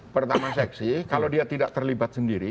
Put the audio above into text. pertama seksi kalau dia tidak terlibat sendiri